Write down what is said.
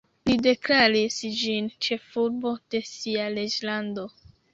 Li deklaris ĝin ĉefurbo de sia reĝlando.